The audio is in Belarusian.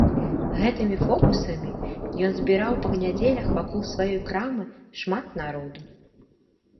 Гэтымі фокусамі ён збіраў па нядзелях вакол сваёй крамы шмат народу.